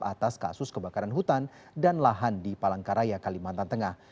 atas kasus kebakaran hutan dan lahan di palangkaraya kalimantan tengah